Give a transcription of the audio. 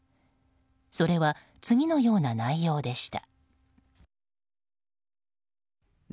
それは次のような内容でした。